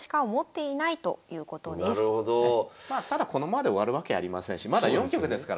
まあただこのままで終わるわけありませんしまだ４局ですからね。